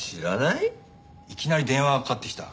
いきなり電話がかかってきた。